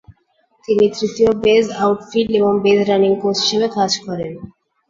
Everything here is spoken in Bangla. তিনি তৃতীয় বেস, আউটফিল্ড এবং বেস রানিং কোচ হিসেবে কাজ করেন।